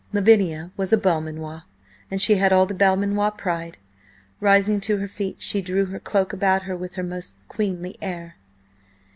Lavinia was a Belmanoir, and she had all the Belmanoir pride. Rising to her feet she drew her cloak about her with her most queenly air.